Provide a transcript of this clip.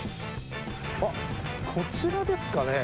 あっこちらですかね？